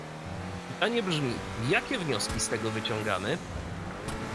Pytanie brzmi, jakie wnioski z tego wyciągamy?